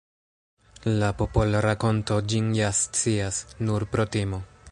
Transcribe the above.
La popol-rakonto ĝin ja scias: nur pro timo.